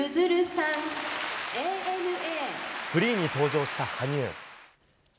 フリーに登場した羽生。